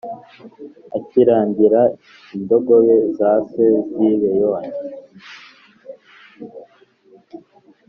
akiragira indogobe za se Sibeyoni